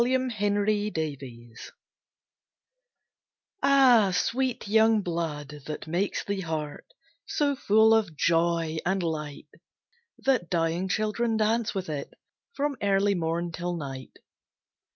AN EARLY LOVE Ah, sweet young blood, that makes the heart So full of joy, and light, That dying children dance with it From early morn till night.